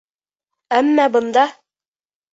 Әммә бында...